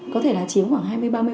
có thể là chiếm khoảng hai mươi ba mươi